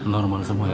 normal semua ya